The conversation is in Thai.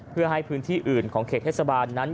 เพื่อให้พื้นที่อื่นของเขตเทศบาลนั้น